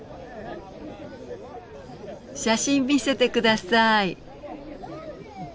写真見せて下さい。